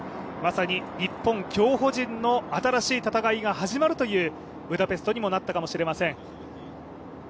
日本競歩陣の新しい戦いが始まるというブダペストになったかもしれません。